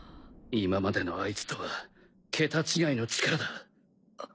今までのアイツとは桁違いの力だ。